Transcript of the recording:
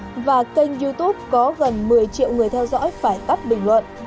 fanpage mang tên bh media network và kênh youtube có gần một mươi triệu người theo dõi phải tắt bình luận